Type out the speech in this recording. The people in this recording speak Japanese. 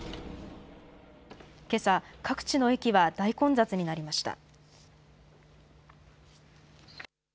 けさ、各地の駅は大混雑になりました。